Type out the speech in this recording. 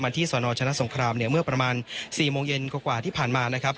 ที่สนชนะสงครามเนี่ยเมื่อประมาณ๔โมงเย็นกว่าที่ผ่านมานะครับ